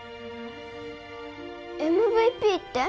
ＭＶＰって？